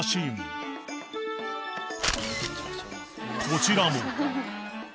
［こちらも］